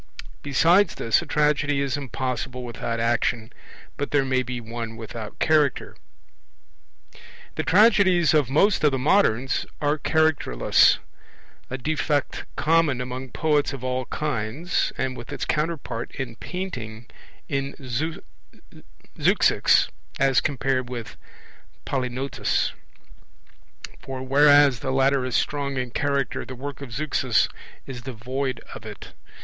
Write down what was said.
Besides this, a tragedy is impossible without action, but there may be one without Character. The tragedies of most of the moderns are characterless a defect common among poets of all kinds, and with its counterpart in painting in Zeuxis as compared with Polygnotus; for whereas the latter is strong in character, the work of Zeuxis is devoid of it.